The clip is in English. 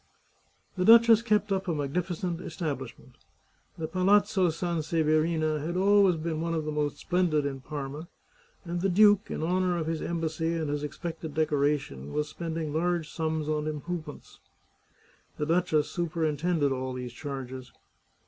The duchess kept up a magnificent establishment. The Palazzo Sanseverina had always been one of the most splen did in Parma, and the duke, in honour of his embassy and his expected decoration, was spending large sums on im provements. The duchess superintended all these changes.